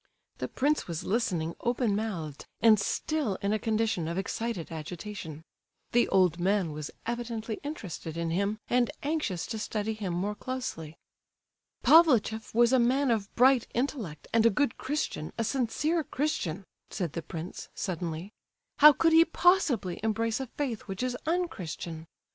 The prince was listening open mouthed, and still in a condition of excited agitation. The old man was evidently interested in him, and anxious to study him more closely. "Pavlicheff was a man of bright intellect and a good Christian, a sincere Christian," said the prince, suddenly. "How could he possibly embrace a faith which is unchristian?